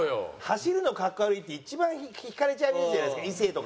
走るのかっこ悪いって一番引かれちゃうやつじゃないですか異性とかに。